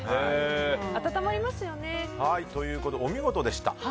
温まりますよね。ということで、お見事でした。